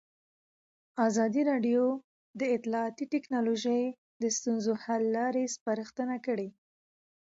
ازادي راډیو د اطلاعاتی تکنالوژي د ستونزو حل لارې سپارښتنې کړي.